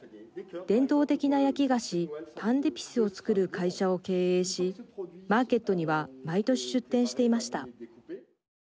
伝統的な焼き菓子パンデピスをつくる会社を経営し、マーケットには毎年出店していました。